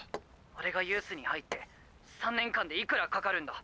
俺がユースに入って３年間でいくらかかるんだ？